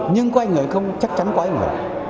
nhưng có ai ngờ thì không chắc chắn có ai ngờ